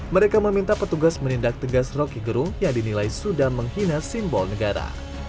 mereka meminta petugas menindak tegas roky gerung yang dinilai sudah menghina simbol negara